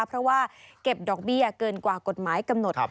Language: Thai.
เพราะว่าเก็บดอกเบี้ยเกินกว่ากฎหมายกำหนด